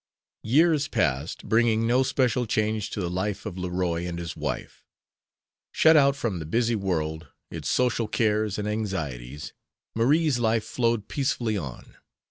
Years passed, bringing no special change to the life of Leroy and his wife. Shut out from the busy world, its social cares and anxieties, Marie's life flowed peacefully on.